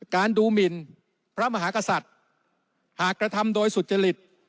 ดูหมินพระมหากษัตริย์หากกระทำโดยสุจริต